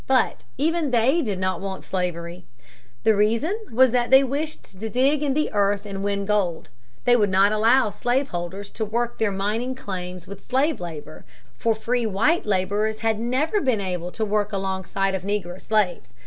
But even they did not want slavery. The reason was that they wished to dig in the earth and win gold. They would not allow slave holders to work their mining claims with slave labor, for free white laborers had never been able to work alongside of negro slaves.